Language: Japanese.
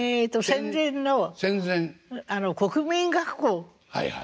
戦前の国民学校。